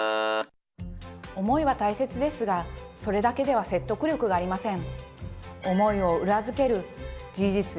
「思い」はたいせつですがそれだけでは説得力がありません